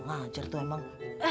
enggak ngajar tuh emang